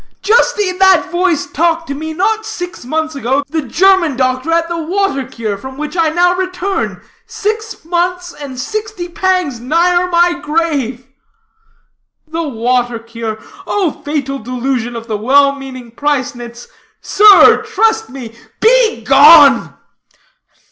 Just in that voice talked to me, not six months ago, the German doctor at the water cure, from which I now return, six months and sixty pangs nigher my grave." "The water cure? Oh, fatal delusion of the well meaning Preisnitz! Sir, trust me " "Begone!"